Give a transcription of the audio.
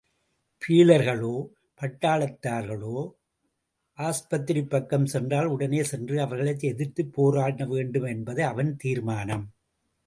பீலர்களோ, பட்டாளத்தார்களோ ஆஸ்பத்திரிப்பக்கம் சென்றால், உடனே சென்று அவர்களை எதிர்த்து போராடவேண்டும் என்பது அவன் தீர்மானம்.